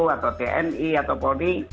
atau dni atau poli